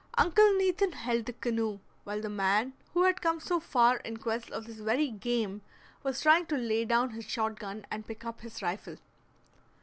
Uncle Nathan held the canoe, while the man who had come so far in quest of this very game was trying to lay down his shot gun and pick up his rifle.